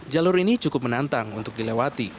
jalur ini cukup menantang untuk dilewati